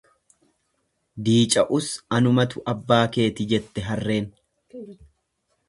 Diica'us anumatu abbaa keeti jette harreen.